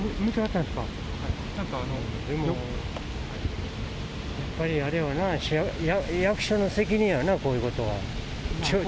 なんか、でもやっぱりあれはな、役所の責任やな、こういうことは。